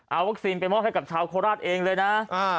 เอาวัคซีนไปมอบให้กับชาวโคราชเองเลยนะ